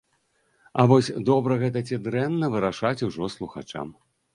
А вось добра гэта ці дрэнна, вырашаць ужо слухачам.